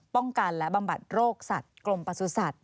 ป้องกันและบำบัดโรคสัตว์กรมประสุทธิ